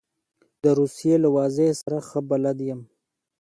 د روسیې له وضع سره ښه بلد یم.